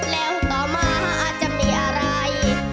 แล้วก็มาจะมีอะไร